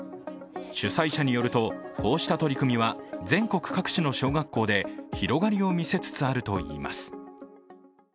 主催者によると、こうした取り組みは全国各地の小学校で広がりを見せつつあるといいます。